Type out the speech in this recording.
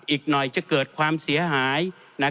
อีกหน่อยจะเกิดความเสียหาย